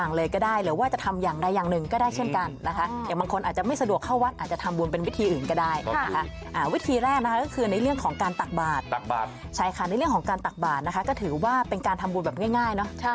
อ้าวระวังหลวงพ่อเอาบาทตบนะ